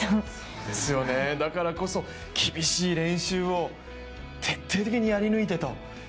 そうですよね、だからこそ厳しい練習を徹底的にやり抜いてと。